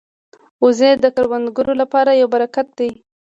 وزې د کروندګرو لپاره یو برکت دي